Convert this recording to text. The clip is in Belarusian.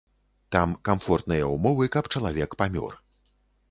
Там камфортныя ўмовы, каб чалавек памёр.